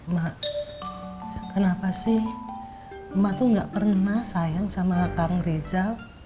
mak kenapa sih emak tuh gak pernah sayang sama kakak rizal